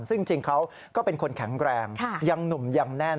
ซึ่งจริงเขาก็เป็นคนแข็งแรงยังหนุ่มยังแน่น